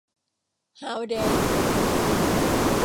ฮาวแดร์ยู